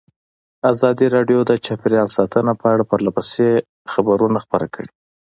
ازادي راډیو د چاپیریال ساتنه په اړه پرله پسې خبرونه خپاره کړي.